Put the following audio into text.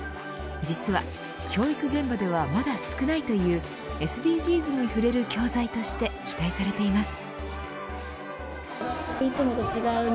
実は教育現場ではまだ少ないというＳＤＧｓに触れる教材として期待されています。